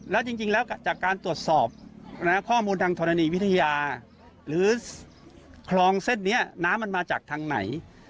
แล้วจริงแล้วจากการตรวจสอบข้อมูลทางธรณีวิทยาหรือคลองเส้นนี้น้ำมันมาจากทางไหน